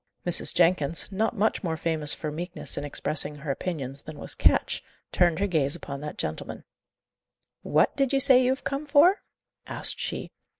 Mrs. Jenkins, not much more famous for meekness in expressing her opinions than was Ketch, turned her gaze upon that gentleman. "What do you say you have come for?" asked she.